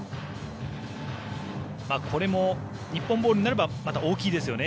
これも、日本ボールになれば大きいですよね。